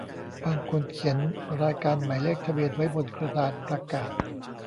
บางคนเขียนรายการหมายเลขทะเบียนไว้บนกระดานประกาศ